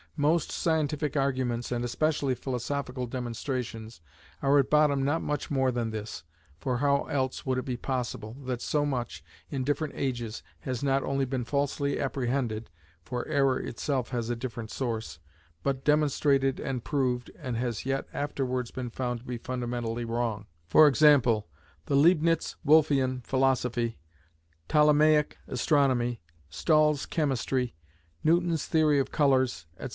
Most scientific arguments, and especially philosophical demonstrations, are at bottom not much more than this, for how else would it be possible, that so much, in different ages, has not only been falsely apprehended (for error itself has a different source), but demonstrated and proved, and has yet afterwards been found to be fundamentally wrong, for example, the Leibnitz Wolfian Philosophy, Ptolemaic Astronomy, Stahl's Chemistry, Newton's Theory of Colours, &c.